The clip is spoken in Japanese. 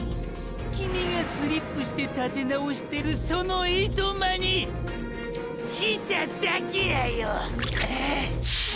キミがスリップしてたて直してるそのいとまに来ただけやよ。